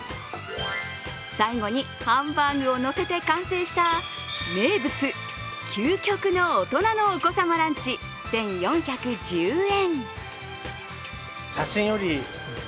最後に、ハンバーグをのせて完成した名物、究極の大人のお子様ランチ１４１０円。